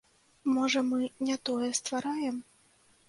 Можа, мы не тое ствараем?